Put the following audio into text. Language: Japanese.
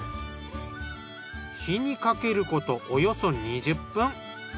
火にかけることおよそ２０分。